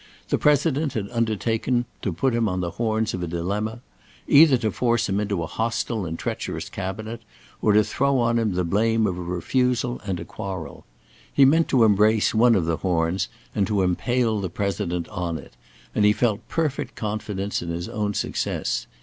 The President had undertaken to put him on the horns of a dilemma; either to force him into a hostile and treacherous Cabinet, or to throw on him the blame of a refusal and a quarrel. He meant to embrace one of the horns and to impale the President on it, and he felt perfect confidence in his own success.